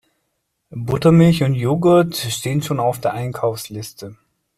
Buttermilch und Jogurt stehen schon auf der Einkaufsliste.